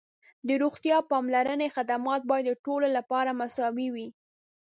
د روغتیا پاملرنې خدمات باید د ټولو لپاره مساوي وي.